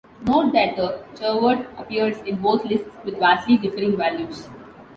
Note that the chetvert appears in both lists with vastly differing values.